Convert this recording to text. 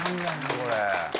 これ。